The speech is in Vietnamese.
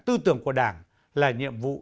tư tưởng của đảng là nhiệm vụ